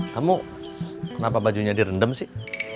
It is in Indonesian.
kamu kenapa bajunya direndam sih